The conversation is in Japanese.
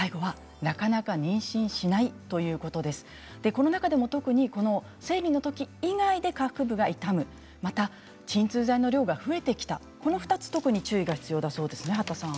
この中でも特に生理のとき以外で下腹部が痛む、また鎮痛剤の量が増えてきたこの２つは特に注意が必要だそうですね。